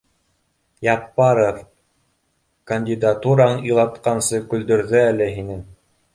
Яппаров, кандидатураң илатҡансы көлдөрҙө әле һинең